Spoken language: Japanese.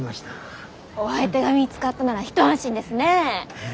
お相手が見つかったなら一安心ですね。